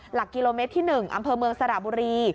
หลักกิโลเมตรที่๑อำเภอเมืองสระบุรี